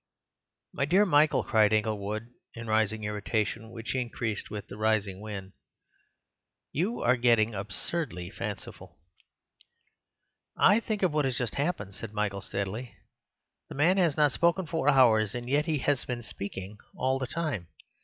"My dear Michael," cried Inglewood, in a rising irritation which increased with the rising wind, "you are getting absurdly fanciful." "I think of what has just happened," said Michael steadily. "The man has not spoken for hours; and yet he has been speaking all the time.